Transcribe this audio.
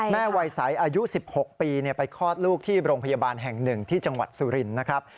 แม่วัยสายอายุ๑๖ปีไปคลอดลูกที่โรงพยาบาลแห่งหนึ่งที่จังหวัดสุรินทร์